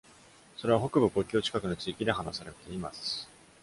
それは北部国境近くの地域で話されています。